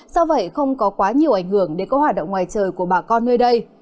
do vậy không có quá nhiều ảnh hưởng để có hoạt động ngoài trời của bà con nơi đây